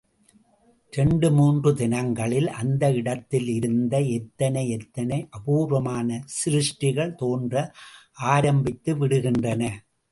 இரண்டு மூன்று தினங்களில் அந்த இடத்திலிருந்து எத்தனை எத்தனை அபூர்வமான சிருஷ்டிகள் தோன்ற ஆரம்பித்து விடுகின்றன!